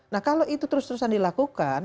nah kalau itu terus terusan dilakukan